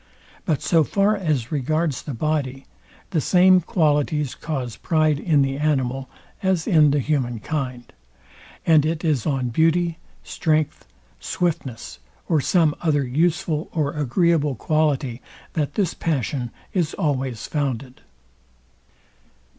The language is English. But so far as regards the body, the same qualities cause pride in the animal as in the human kind; and it is on beauty, strength, swiftness or some other useful or agreeable quality that this passion is always founded.